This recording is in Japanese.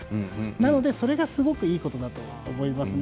なので、それがすごくいいことだと思いますね。